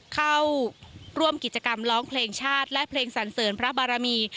เข้าร่วมกิจกรรมร้องเพลงชาติและเพลงสันเสริญพระบารมี